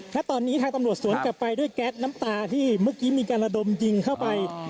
และตอนนี้ทางตำรวจสวนกลับไปด้วยแก๊สน้ำตาที่เมื่อกี้มีการระดมยิงเข้าไป